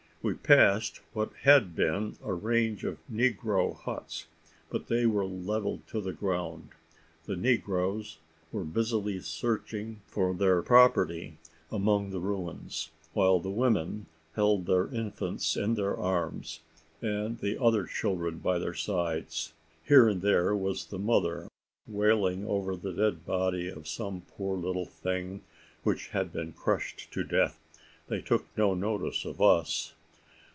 We passed what had been a range of negro huts, but they were levelled to the ground. The negroes were busily searching for their property among the ruins, while the women held their infants in their arms, and the other children by their sides. Here and there was the mother wailing over the dead body of some poor little thing which had been crushed to death. They took no notice of us.